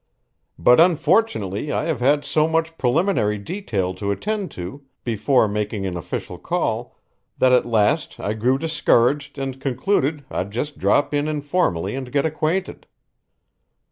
"But unfortunately I have had so much preliminary detail to attend to before making an official call that at last I grew discouraged and concluded I'd just drop in informally and get acquainted."